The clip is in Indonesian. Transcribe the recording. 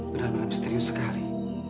benar benar misterius sekali